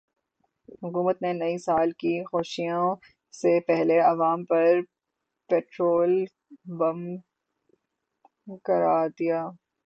حکومت نے نئے سال کی خوشیوں سے پہلے عوام پر پیٹرول بم گرا دیا